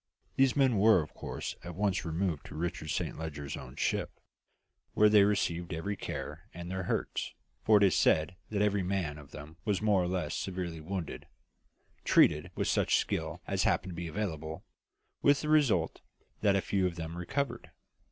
These men were of course at once removed to Richard Saint Leger's own ship, where they received every care, and their hurts for it is said that every man of them was more or less severely wounded treated with such skill as happened to be available, with the result that a few of them recovered.